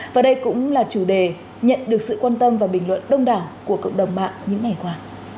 và đây cũng là chủ đề nhận được sự quan tâm và bình luận đông đảo của cộng đồng mạng những ngày qua